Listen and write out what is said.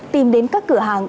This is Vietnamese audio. tìm đến các cửa hàng